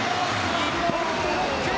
日本のブロック。